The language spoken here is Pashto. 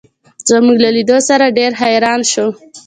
زموږ له لیدو سره ډېر حیران شو.